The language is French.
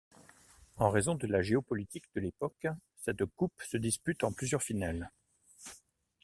En raison de la géopolitique de l'époque, cette coupe se dispute en plusieurs finales.